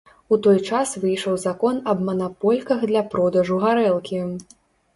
У той час выйшаў закон аб манапольках для продажу гарэлкі.